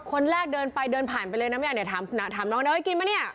คนแรกเดินไปเดินผ่านไปเลยนะไม่อยากถามน้องน้องนี่เอาไว้กินไหมเนี่ย